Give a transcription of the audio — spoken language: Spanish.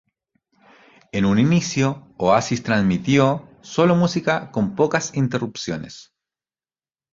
En un inicio Oasis transmitió solo música con pocas interrupciones.